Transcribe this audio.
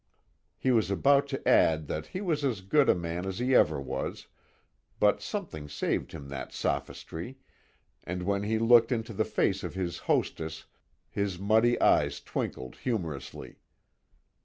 He was about to add that he was as good a man as he ever was, but something saved him that sophistry, and when he looked into the face of his hostess his muddy eyes twinkled humorously.